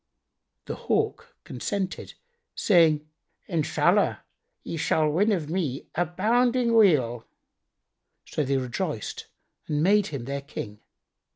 The Hawk consented, saying, "Inshallah, ye shall win of me abounding weal." So they rejoiced and made him their King.